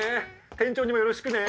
店長にもよろしくね。